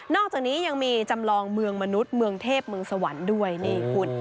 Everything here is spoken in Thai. อกจากนี้ยังมีจำลองเมืองมนุษย์เมืองเทพเมืองสวรรค์ด้วยนี่คุณ